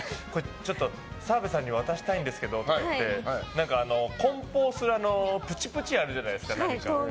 ちょっと、澤部さんに渡したいんですけどって言って梱包するプチプチあるじゃないですか。